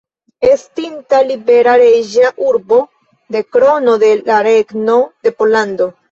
Estinta libera reĝa urbo de Krono de la Regno de Pollando.